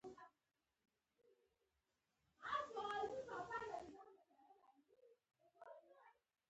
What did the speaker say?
هیڅ بل انساني ډول دغه سیمې ته نه و ننوتی.